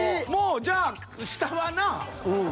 もうじゃあ下はな。